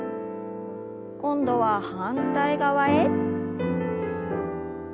今度は反対側へ。